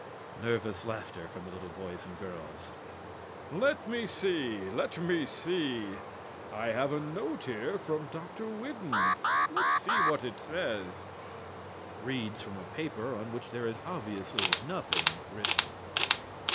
(Nervous laughter from the little boys and girls). Let me see, let me see! I have a note here from Dr. Whidden. Let's see what it says. (Reads from a paper on which there is obviously nothing written).